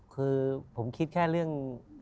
คือผมคิดแค่เรื่อง